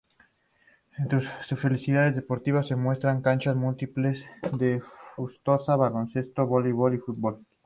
Entre sus facilidades deportivas se enumeran: Canchas múltiples de futsal, baloncesto, voleibol y fútbol.